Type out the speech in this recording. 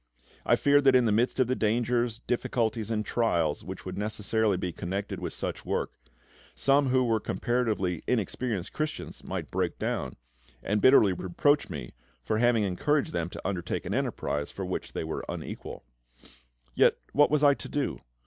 I feared that in the midst of the dangers, difficulties, and trials which would necessarily be connected with such a work, some who were comparatively inexperienced Christians might break down, and bitterly reproach me for having encouraged them to undertake an enterprise for which they were unequal. Yet, what was I to do?